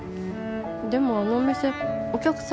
でもあのお店お客さん